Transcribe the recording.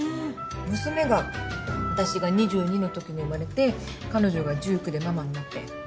娘が私が２２のときに生まれて彼女が１９でママになって孫は今５歳。